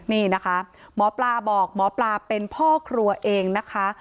นี่นะคะหมอปลาบอกหมอปลาเป็นพ่อครัวเองนะคะ